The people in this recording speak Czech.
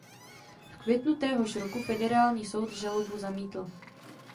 V květnu téhož roku federální soud žalobu zamítl.